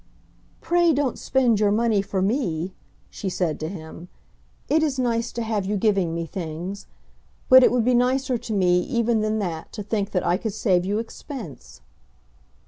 "Pray don't spend your money for me," she said to him. "It is nice to have you giving me things, but it would be nicer to me even than that to think that I could save you expense."